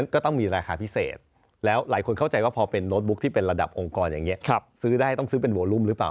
ก็ต้องมีราคาพิเศษแล้วหลายคนเข้าใจว่าพอเป็นโน้ตบุ๊กที่เป็นระดับองค์กรอย่างนี้ซื้อได้ต้องซื้อเป็นโวลุ่มหรือเปล่า